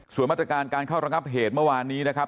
ส่วนมาตรการการเข้าระงับเหตุเมื่อวานนี้นะครับ